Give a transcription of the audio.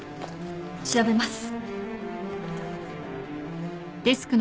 調べます。